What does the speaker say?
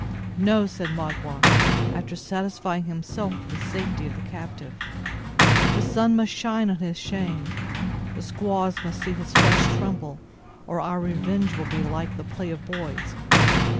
"No!" said Magua, after satisfying himself of the safety of the captive; "the sun must shine on his shame; the squaws must see his flesh tremble, or our revenge will be like the play of boys.